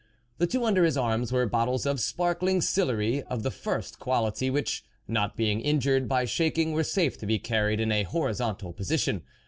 The two under his arms were bottles of sparkling Sillery, of the first quality, which, not being injured by shaking, were safe to be carried in a horizontal position.